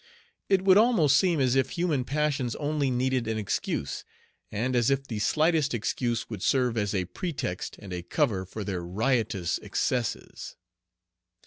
It would almost seem as if human passions only needed an excuse, and as if the slightest excuse would serve as a pretext and a cover for their riotous excesses.